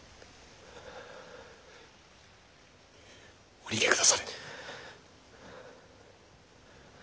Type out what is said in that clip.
お逃げくだされ。